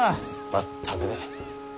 全くだ。